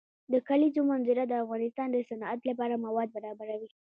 د کلیزو منظره د افغانستان د صنعت لپاره مواد برابروي.